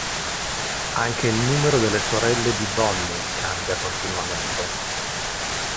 Anche il numero delle sorelle di Bonnie cambia continuamente.